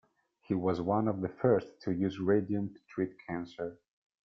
He was one of the first to use radium to treat cancer.